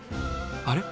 あれ？